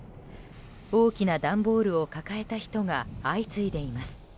大きな段ボールを抱えた人が相次いでいます。